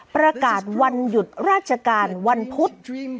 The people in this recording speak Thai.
ประกาศวันหยุดราชการวันพุธ